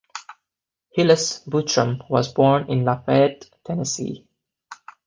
Hillous Butrum was born in Lafayette, Tennessee.